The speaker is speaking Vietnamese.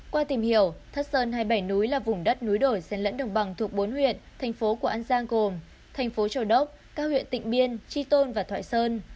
qua tìm hiểu thất sơn hay bảy núi là vùng đất núi đổi xen lẫn đồng bằng thuộc bốn huyện thành phố của an giang gồm thành phố châu đốc cao huyện tịnh biên tri tôn và thoại sơn